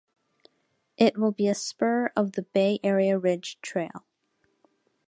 It will be a spur of the Bay Area Ridge Trail.